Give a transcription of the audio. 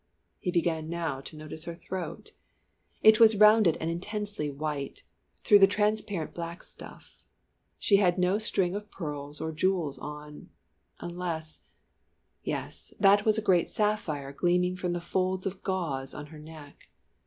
He began now to notice her throat, it was rounded and intensely white, through the transparent black stuff. She had no strings of pearls or jewels on unless yes, that was a great sapphire gleaming from the folds of gauze on her neck.